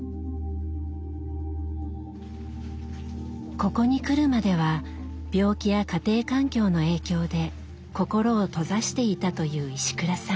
ここに来るまでは病気や家庭環境の影響で心を閉ざしていたという石倉さん。